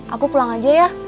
aku pulang aja ya